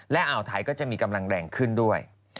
และอ่าวไทยก็จะมีกำลังแรงขึ้นด้วย